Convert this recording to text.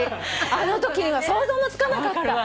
あのときには想像もつかなかった。